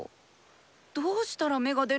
どうしたら芽が出るんだろ？